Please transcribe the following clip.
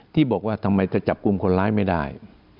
ที่บอกว่าทำไมจะจับกลุ่มคนร้ายไม่ได้